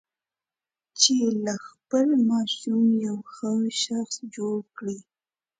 چې له خپل ماشوم یو ښه شخص جوړ کړي.